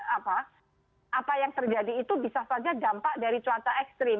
apa yang terjadi itu bisa saja dampak dari cuaca ekstrim